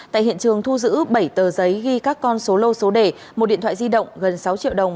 tại hiện trường thu giữ bảy tờ giấy ghi các con số lô số đề một điện thoại di động gần sáu triệu đồng